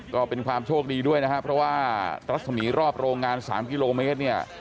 ก็เป็นความโชคดีด้วยนะครับเพราะว่ารัศมีร์รอบโรงงาน๓กิโลเมตรเนี่ย